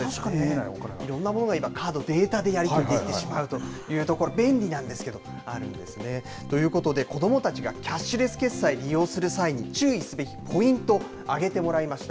いろんなものがカード、データでやり取りしてしまうというところ、便利なんですけど、あるんですね。ということで、子どもたちがキャッシュレス決済、利用する際に注意すべきポイント、あげてもらいました。